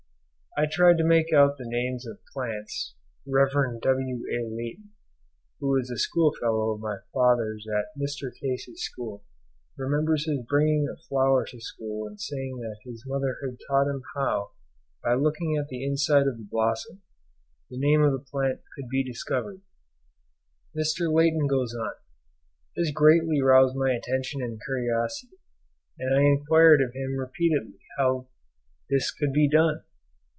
I tried to make out the names of plants (Rev. W.A. Leighton, who was a schoolfellow of my father's at Mr. Case's school, remembers his bringing a flower to school and saying that his mother had taught him how by looking at the inside of the blossom the name of the plant could be discovered. Mr. Leighton goes on, "This greatly roused my attention and curiosity, and I enquired of him repeatedly how this could be done?"